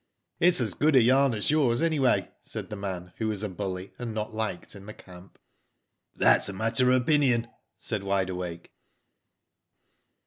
It's as good a yarn as yours, anyway," said the man, who was a bully and not liked in the camp. "That's a matter of opinion," said Wide Awake.